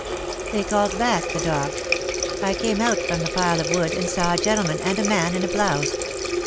They called back the dog; I came out from the pile of wood, and saw a gentleman and a man in a blouse.